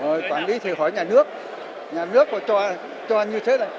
rồi quản lý thì hỏi nhà nước nhà nước họ cho như thế này